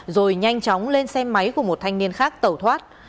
rồi nhanh chóng lên xe máy của một thanh niên khác tẩu thoát